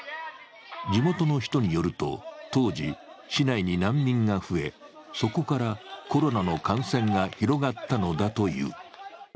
地元の人によると、当時、市内に難民が増え、そこからコロナの感染が広がったのだという。